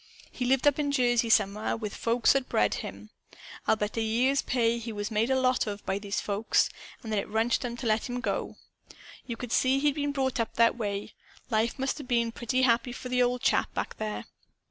He lived up in Jersey, somewhere. With folks that had bred him. I'll bet a year's pay he was made a lot of by those folks; and that it wrenched 'em to let him go. You could see he'd been brought up that way. Life must 'a' been pretty happy for the old chap, back there.